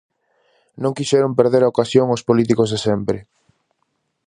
Non quixeron perder a ocasión os políticos de sempre.